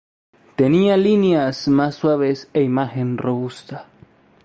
Tenía líneas más suaves e imagen robusta.